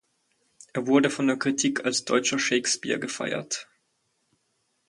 Er wurde von der Kritik als „Deutscher Shakespeare“ gefeiert.